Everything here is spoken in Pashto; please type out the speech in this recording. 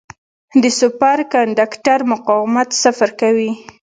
د سوپر کنډکټر مقاومت صفر کوي.